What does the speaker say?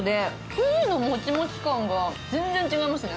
生地のもちもち感が全然違いますね。